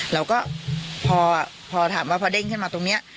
เราก็พอถามว่าพอเด้งขึ้นมาตรงนี้